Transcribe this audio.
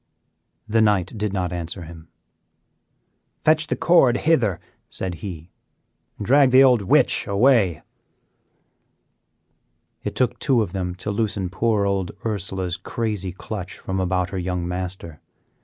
The knight did not answer him. "Fetch the cord hither," said he, "and drag the old witch away." It took two of them to loosen poor old Ursela's crazy clutch from about her young master.